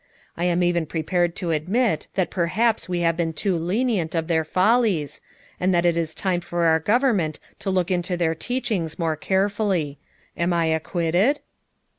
I am even prepared to admit that per haps we have been too lenient of their follies, and that it is time for our government to look into their teachings more carefully. Am I ac quitted?"